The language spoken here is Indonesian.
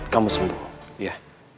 kamu sembuh iya